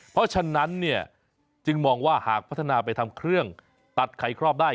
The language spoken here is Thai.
เพราะฉะนั้นเนี่ยจึงมองว่าหากพัฒนาไปทำเครื่องตัดไข่ครอบได้